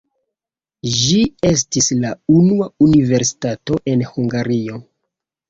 Ĝi estis la unua universitato en Hungario.